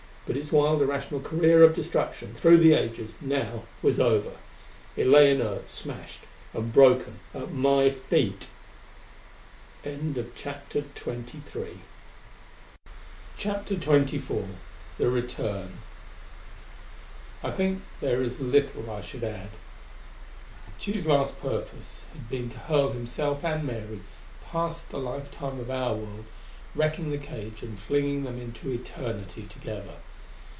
But its wild, irrational career of destruction through the ages now was over. It lay inert, smashed and broken at my feet.... CHAPTER XXIV The Return I think that there is little I should add. Tugh's last purpose had been to hurl himself and Mary past the lifetime of our world, wrecking the cage and flinging them into Eternity together.